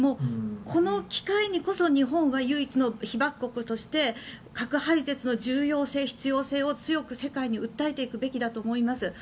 この機会にこそ日本は唯一の被爆国として核廃絶の重要性、必要性を強く世界に訴えていくべきだと思います。